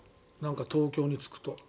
東京に着くと。